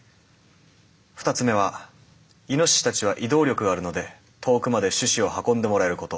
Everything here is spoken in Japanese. ２つ目はイノシシたちは移動力があるので遠くまで種子を運んでもらえること。